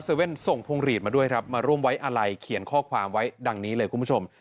เว่นส่งพวงหลีดมาด้วยครับมาร่วมไว้อะไรเขียนข้อความไว้ดังนี้เลยคุณผู้ชม